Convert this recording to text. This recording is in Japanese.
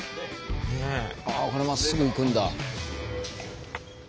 これまっすぐ行くんだ。